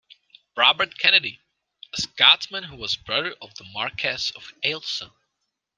Robert Kennedy, a Scotsman who was brother of the Marquess of Ailsa.